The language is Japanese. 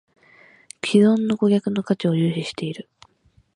① 既存顧客の価値を重視している